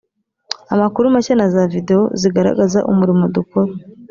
amakuru mashya na za videwo zigaragaza umurimo dukora